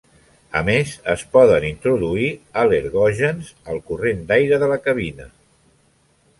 A més, es poden introduir al·lergògens al corrent d'aire de la cabina.